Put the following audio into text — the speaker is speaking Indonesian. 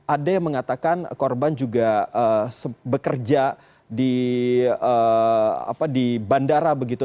ada yang mengatakan korban juga bekerja di bandara begitu